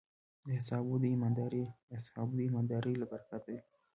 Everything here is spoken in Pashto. د اصحابو د ایماندارۍ له برکته وې.